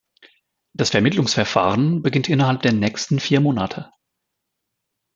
Das Vermittlungsverfahren beginnt innerhalb der nächsten vier Monate.